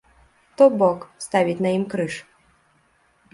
То бок, ставіць на ім крыж.